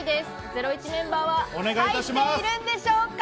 ゼロイチメンバーは、入っているんでしょうか。